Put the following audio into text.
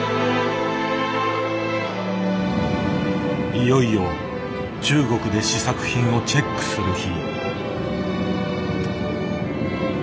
いよいよ中国で試作品をチェックする日。